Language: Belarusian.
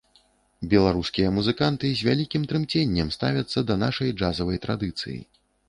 Беларускія музыканты з вялікі трымценнем ставяцца да нашай джазавай традыцыі.